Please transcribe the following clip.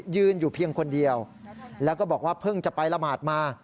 ยืนอยู่เพียงคนเดียวแล้วก็บอกว่าเพิ่งจะไปละหมาดมา